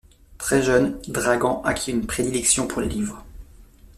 Très jeune, Dragan acquit une prédilection pour les livres.